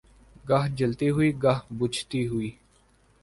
گاہ جلتی ہوئی گاہ بجھتی ہوئی